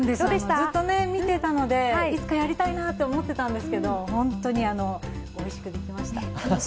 ずっと見てたので、いつかやりたいなと思っていたんですけど、本当においしくできました。